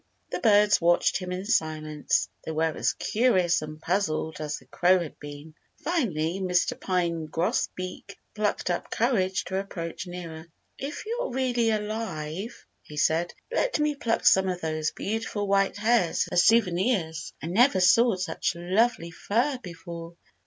The birds watched him in silence. They were as curious and puzzled as the Crow had been. Finally, Mr. Pine Grosbeak plucked up courage to approach nearer. "If you're really alive," he said, "let me pluck some of those beautiful white hairs as souvenirs. I never saw such lovely fur before."